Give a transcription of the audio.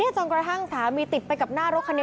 จนกระทั่งสามีติดไปกับหน้ารถคันนี้